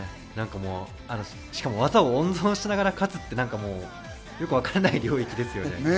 しかも技を温存しながら勝つってよくわからない領域ですよね。